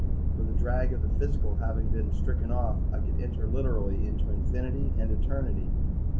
for the drag of the physical having been stricken off, I could enter literally into infinity and eternity.